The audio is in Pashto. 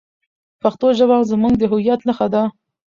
پښتو ژبه زموږ د هویت نښه ده.